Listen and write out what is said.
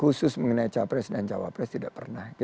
khusus mengenai capres dan cawapres tidak pernah